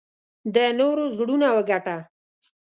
د نورو زړونه وګټه .